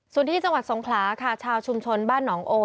ส่วนที่จังหวัดสงขลาค่ะชาวชุมชนบ้านหนองโอ